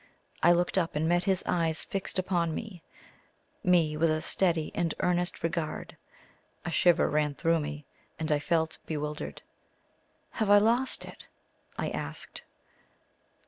I looked up and met his eyes fixed upon, me with a steady and earnest regard. A shiver ran through, me, and I felt bewildered. "Have I lost it?" I asked.